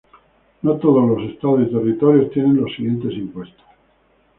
No todos los estados y territorios tienen los siguientes impuestos.